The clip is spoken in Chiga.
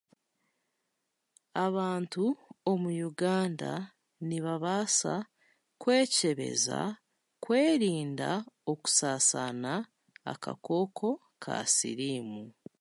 Abantu omu Uganda nibabaasa kwekyebeza, kwerinda okusaasaana akakooko ka siriimu.